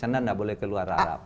karena tidak boleh keluar arab